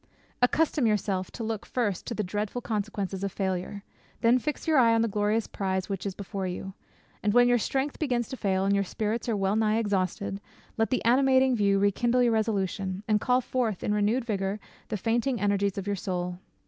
Accustom yourself to look first to the dreadful consequences of failure; then fix your eye on the glorious prize which is before you; and when your strength begins to fail, and your spirits are well nigh exhausted, let the animating view rekindle your resolution, and call forth in renewed vigour the fainting energies of your soul."